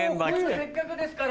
せっかくですから。